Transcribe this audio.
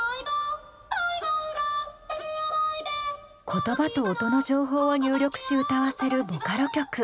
言葉と音の情報を入力し歌わせるボカロ曲。